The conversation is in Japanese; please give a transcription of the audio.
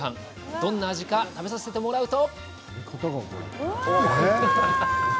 どんな味か食べさせてもらうと。